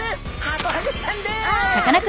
ハコフグちゃん。